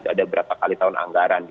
ada berapa kali tahun anggaran